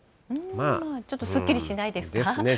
ちょっとすっきりしないですか。ですね。